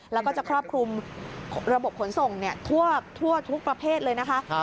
แล้วก็จะครอบคลุมระบบขนส่งทั่วทุกประเภทเลยนะคะ